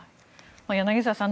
柳澤さん